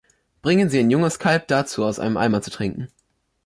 Bringen Sie ein junges Kalb dazu, aus einem Eimer zu trinken.